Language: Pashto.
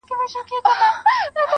كه خپلوې مي نو در خپل مي كړه زړكيه زما~